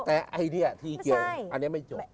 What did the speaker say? แต่ไอเดียที่เกี่ยวอันนี้ไม่จบ